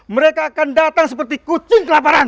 mereka akan datang seperti kucing kelaparan